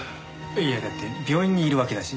いやだって病院にいるわけだし。